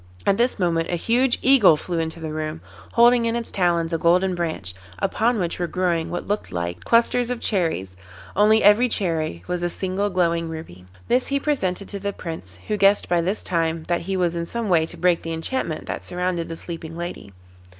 At this moment a huge Eagle flew into the room, holding in its talons a Golden Branch, upon which were growing what looked like clusters of cherries, only every cherry was a single glowing ruby. This he presented to the Prince, who guessed by this time that he was in some way to break the enchantment that surrounded the sleeping lady.